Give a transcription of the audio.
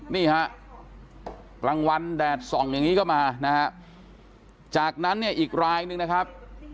นี่ฮะกลางวันแดดส่องอย่างนี้ก็มานะฮะจากนั้นเนี่ยอีกรายนึงนะครับ